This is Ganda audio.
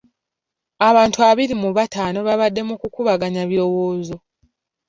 Abantu abiri mu bataano baabadde mu kukubaganya ebirowoozo.